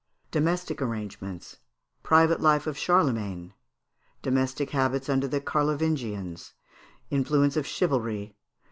Domestic Arrangements. Private Life of Charlemagne. Domestic Habits under the Carlovingians. Influence of Chivalry.